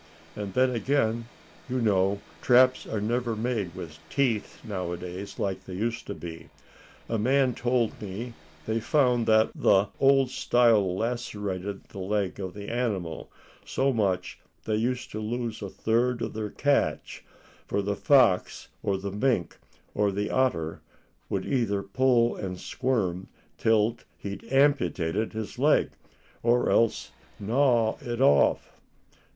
And then again, you know, traps are never made with teeth nowadays, like they used to be. A man told me they found that the old style lacerated the leg of the animal so much, they used to lose a third of their catch; for the fox or the mink or the otter would either pull and squirm till he'd amputated his leg, or else gnaw it off."